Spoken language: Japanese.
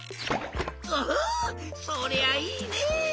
おおそりゃいいね！